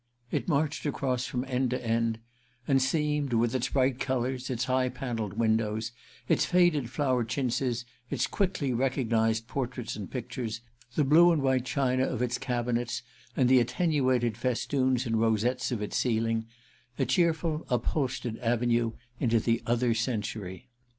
It marched across from end to end and seemed—with its bright colours, its high panelled windows, its faded flowered chintzes, its quickly recognised portraits and pictures, the blue and white china of its cabinets and the attenuated festoons and rosettes of its ceiling—a cheerful upholstered avenue into the other century.